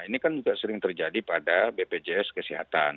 ini kan juga sering terjadi pada bpjs kesehatan